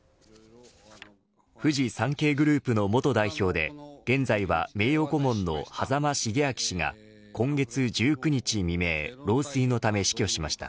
フジサンケイグループの元代表で現在は名誉顧問の羽佐間重彰氏が今月１９日未明老衰のため、死去しました。